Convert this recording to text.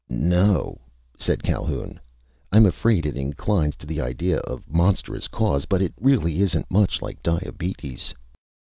"No o o," said Calhoun. "I'm afraid it inclines to the idea of a monstrous cause, but it really isn't much like diabetes."